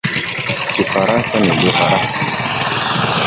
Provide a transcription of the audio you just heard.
Kifaransa ni lugha rasmi.